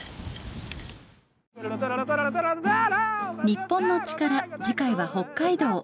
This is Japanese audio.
『日本のチカラ』次回は北海道。